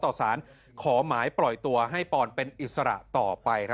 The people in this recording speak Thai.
ต่อสารขอหมายปล่อยตัวให้ปอนเป็นอิสระต่อไป